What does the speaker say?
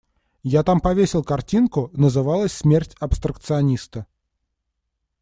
Я там повесил картинку, называлась «Смерть абстракциониста».